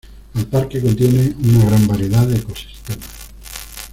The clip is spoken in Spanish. El parque contiene una gran variedad de ecosistemas.